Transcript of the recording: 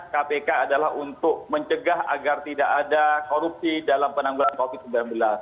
kpk adalah untuk mencegah agar tidak ada korupsi dalam penanggulan covid sembilan belas